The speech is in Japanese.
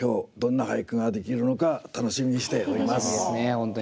本当に。